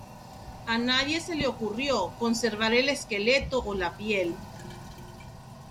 A nadie se le ocurrió conservar el esqueleto o la piel.